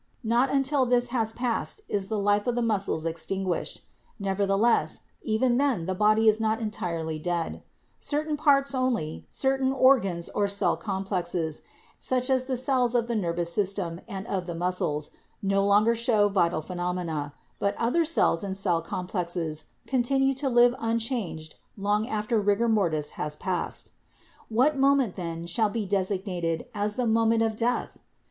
Not until this has passed is the life of the muscles extinguished. Neverthe less, even then the body is not entirely dead. Certain parts only, certain organs or cell complexes, such as the cells of the nervous system and of the muscles, no longer show vital phenomena ; but other cells and cell complexes con tinue to live unchanged long after rigor mortis has passed. PHYSIOLOGICAL IDEA OF LIFE 37 What moment then shall be designated as the moment of death